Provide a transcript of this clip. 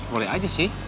boleh aja sih